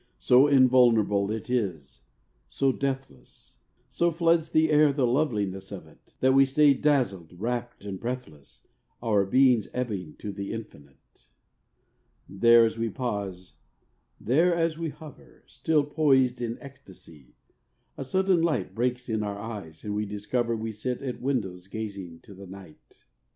So invulnerable it is, so deathless, So floods the air the loveliness of it, That we stay dazzled, rapt and breathless, Our beings ebbing to the infinite. There as we pause, there as we hover, Still poised in ecstasy, a sudden light Breaks in our eyes, and we discover We sit at windows gazing to the night.